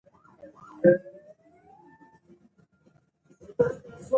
اوسني ملخان کورټ و سکوټ توپیر لري.